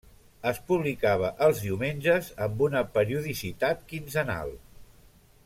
Es publicava els diumenges amb una periodicitat quinzenal.